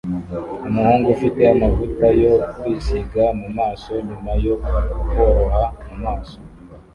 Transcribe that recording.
Umuhungu ufite amavuta yo kwisiga mu maso nyuma yo koroha mu maso